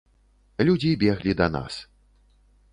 Людзі беглі да нас.